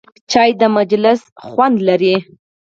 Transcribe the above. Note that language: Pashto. چای د مجلس مزه لري.